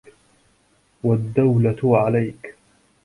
وَالدَّوْلَةُ عَلَيْك